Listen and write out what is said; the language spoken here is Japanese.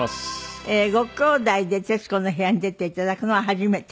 ご兄弟で『徹子の部屋』に出て頂くのは初めて。